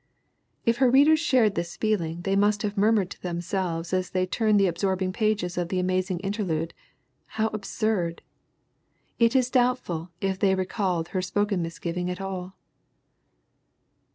If her readers shared this feeling they must have murmured to themselves as they turned the absorbing pages of The Amazing Interlude: "How absurd!" It is doubtful if they recalled her spoken misgiving at all.